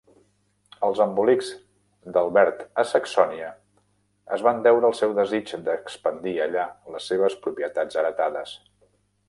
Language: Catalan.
Els embolics d'Albert a Saxònia es van deure al seu desig d'expandir allà les seves propietats heretades.